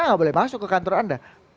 nggak boleh masuk ke kantor anda